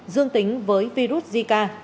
dương tính với virus zika